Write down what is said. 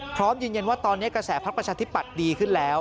พร้อมยืนยันว่าตอนนี้กระแสพักประชาธิปัตย์ดีขึ้นแล้ว